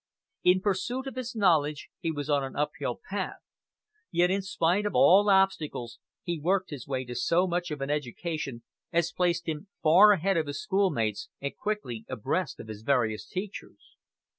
In pursuit of his knowledge he was on an up hill path; yet in spite of all obstacles he worked his way to so much of an education as placed him far ahead of his schoolmates and quickly abreast of his various teachers.